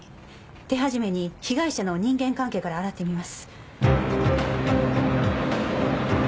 手始めに被害者の人間関係から洗ってみます。